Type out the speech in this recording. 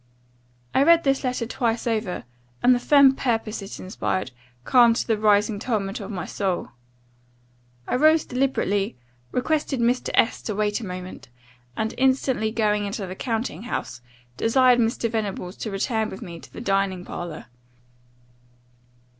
I read this letter twice over; and the firm purpose it inspired, calmed the rising tumult of my soul. I rose deliberately, requested Mr. S to wait a moment, and instantly going into the counting house, desired Mr. Venables to return with me to the dining parlour.